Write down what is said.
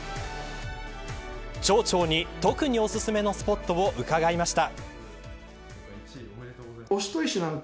町長に、特におすすめのスポットを伺いました。